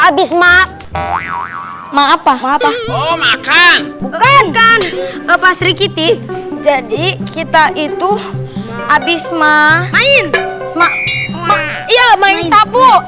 abis mak maaf pak oh makan bukan pasri kitty jadi kita itu abis mah main mak iyalah main sabuk